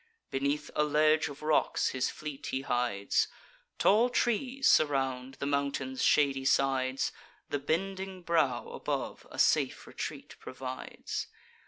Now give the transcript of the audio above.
Beneath a ledge of rocks his fleet he hides: Tall trees surround the mountain's shady sides; The bending brow above a safe retreat provides.